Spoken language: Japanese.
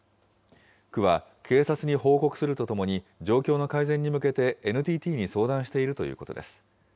区は警察に報告するとともに、状況の改善に向けてＮＴＴに相談しているということです。